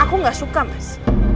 aku gak suka mas